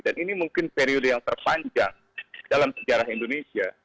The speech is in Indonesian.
ini mungkin periode yang terpanjang dalam sejarah indonesia